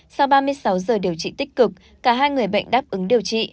sau ba mươi sáu giờ điều trị tích cực cả hai người bệnh đáp ứng điều trị